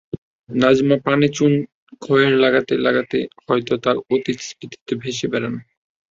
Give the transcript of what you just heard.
নাজমা পানে চুন, খয়ের লাগাতে লাগাতে হয়তো তাঁর অতীত স্মৃতিতে ভেসে বেড়ান।